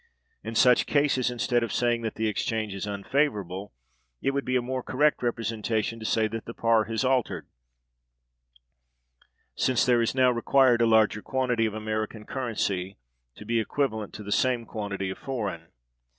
In such cases, instead of saying that the exchange is unfavorable, it would be a more correct representation to say that the par has altered, since there is now required a larger quantity of American currency to be equivalent to the same quantity of foreign.